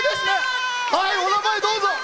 お名前、どうぞ。